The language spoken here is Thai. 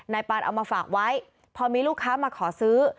ปานเอามาฝากไว้พอมีลูกค้ามาขอซื้อ